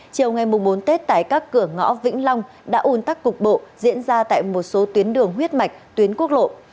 chiều ngày bốn tết tại các cửa ngõ vĩnh long đã un tắc cục bộ diễn ra tại một số tuyến đường huyết mạch tuyến quốc lộ